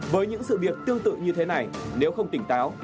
với những sự việc tương tự như thế này nếu không tỉnh táo